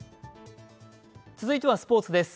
続いてはスポーツです。